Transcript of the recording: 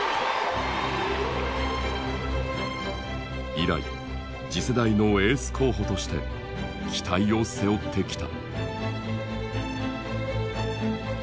以来次世代のエース候補として期待を背負ってきた。